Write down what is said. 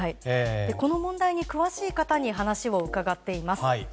この問題に詳しい方に話を伺っています。